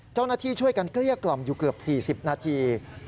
เจ้าหน้าที่ช่วยกันเกลี้ยกล่อมอยู่เกือบ๔๐นาที